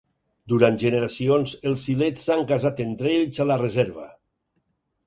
Durant generacions, els siletz s'han casat entre ells a la reserva.